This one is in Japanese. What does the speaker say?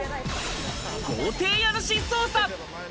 豪邸家主捜査。